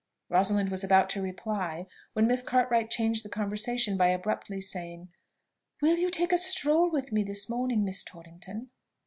Rosalind was about to reply, when Miss Cartwright changed the conversation by abruptly saying, "Will you take a stroll with me this morning, Miss Torrington?"